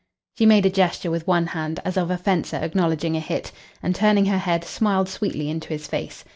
She made a gesture with one hand, as of a fencer acknowledging a hit, and, turning her head, smiled sweetly into his face.